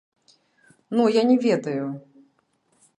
Ну, я не ведаю!